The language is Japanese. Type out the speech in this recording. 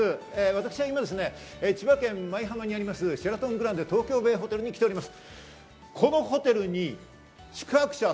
私は今、千葉県舞浜にあります、シェラトン・グランデ・トーキョーベイ・ホテルに来ております。